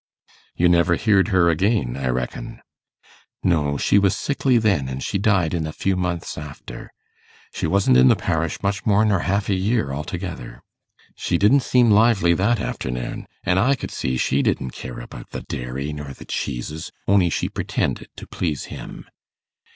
'You never heared her again, I reckon?' 'No; she was sickly then, and she died in a few months after. She wasn't in the parish much more nor half a year altogether. She didn't seem lively that afternoon, an' I could see she didn't care about the dairy, nor the cheeses, on'y she pretended, to please him.